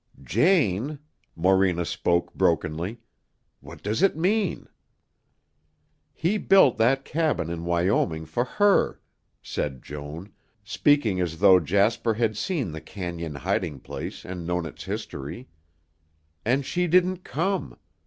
"Jane," Morena spoke brokenly, "what does it mean?" "He built that cabin in Wyoming for her," said Joan, speaking as though Jasper had seen the cañon hiding place and known its history, "and she didn't come.